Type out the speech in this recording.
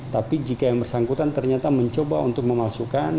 tapi jika yang bersangkutan ternyata mencoba untuk memasukkan